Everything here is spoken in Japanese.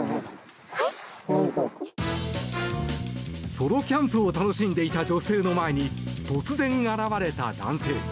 ソロキャンプを楽しんでいた女性の前に突然現れた男性。